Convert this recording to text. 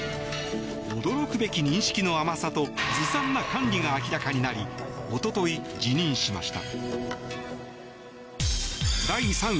驚くべき認識の甘さとずさんな管理が明らかになりおととい、辞任しました。